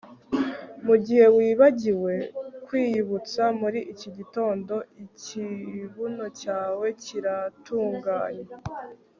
mugihe wibagiwe kwiyibutsa muri iki gitondo ikibuno cyawe kiratunganye